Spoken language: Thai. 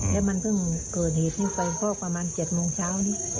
แล้วมันเพิ่งเกิดเหตุที่ไปพบประมาณเจ็ดโมงเช้านี้อ๋อ